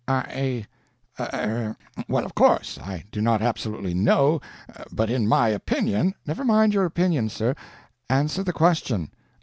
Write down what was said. "I er well, of course, I do not absolutely know, but in my opinion " "Never mind your opinion, sir answer the question."